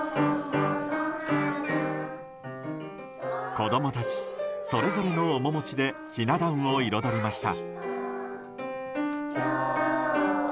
子供たち、それぞれの面持ちでひな壇を彩りました。